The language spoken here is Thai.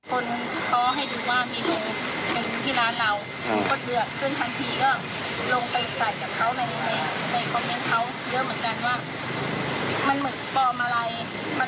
คนขอให้ดูว่ามีโดยเป็นอย่างที่ร้านเรา